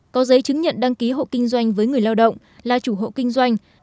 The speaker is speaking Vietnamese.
có giấy chứng nhận đăng ký hộ kinh doanh với người lao động là chủ hộ kinh doanh